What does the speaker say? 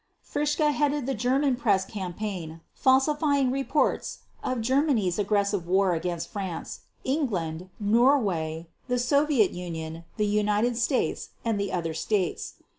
Fritzsche headed the German press campaign falsifying reports of Germany's aggressive war against France, England, Norway, the Soviet Union, the United States, and the other States.